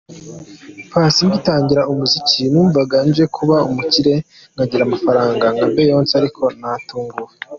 Paccy: Ngitangira umuziki numvaga nje kuba umukire nkagira amafaranga nka Beyonce, ariko naratunguwe.